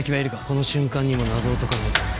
この瞬間にも謎を解かないと。